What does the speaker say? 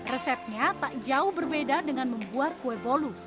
resepnya tak jauh berbeda dengan membuat kue bolu